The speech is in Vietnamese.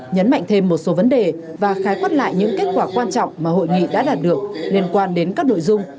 nhấn mạnh thêm một số vấn đề và khái quát lại những kết quả quan trọng mà hội nghị đã đạt được liên quan đến các nội dung